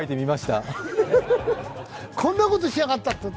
こんなこと、しやがったって。